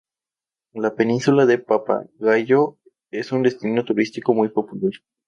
La península de Papagayo es un destino turístico muy popular.